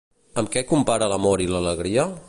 Amb què compara l'amor i l'alegria?